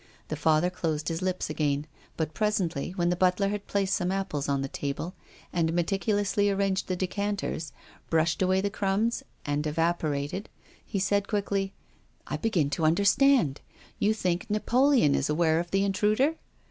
The Father closed his lips again. But presently, when the butler had placed some apples on the table, had meticulously arranged the decanters, brushed away the crumbs and evaporated, he said, quickly, " I begin to understand. You think Napoleon is aware of the intruder?"